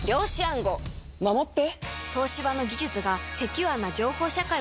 守って。